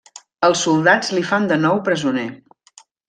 Els soldats li fan de nou presoner.